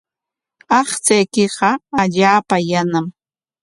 Aqchaykiqa allaapa yanam.